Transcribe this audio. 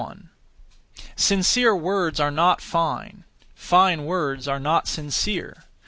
Sincere words are not fine; fine words are not sincere.